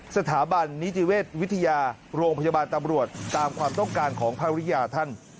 สถาบันนิติเวชวิทยาโรงพยาบาลตำรวจตามความต้องการของภรรยาท่าน